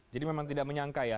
jadi memang tidak menyangka ya